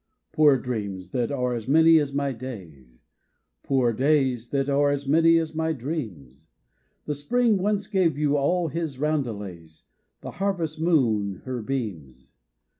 Poor dreams that are as many as my days, Poor days that are as many as my dreams, The spring once gave you all his roundelays, The harvest moon her beams.